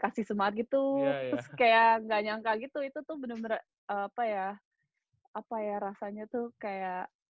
kasih semangat gitu terus kayak nggak nyangka gitu itu tuh bener bener apa ya apa ya rasanya tuh kayak